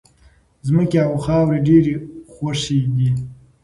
ځمکې او خاورې ډېرې خوښې دي.